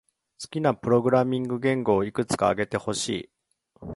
好きなプログラミング言語をいくつか挙げてほしい。